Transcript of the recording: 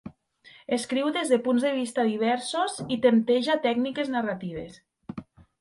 Escriu des de punts de vista diversos i tempteja tècniques narratives.